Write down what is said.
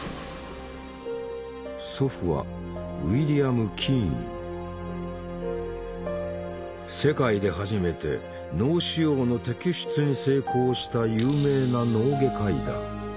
祖父は世界で初めて脳腫瘍の摘出に成功した有名な脳外科医だ。